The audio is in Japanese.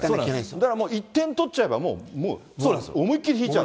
だからもう１点取っちゃえばもう、思いっ切り引いちゃう。